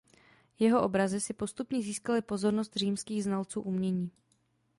Jeho obrazy si postupně získaly pozornost římských znalců umění.